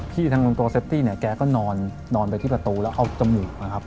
ทางตัวเซฟตี้เนี่ยแกก็นอนไปที่ประตูแล้วเอาจมูกนะครับ